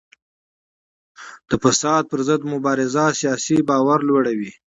د فساد پر ضد مبارزه سیاسي باور لوړوي